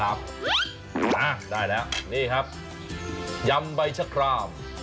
อ้าวได้แล้วเนี่ยครับยำใบชักราม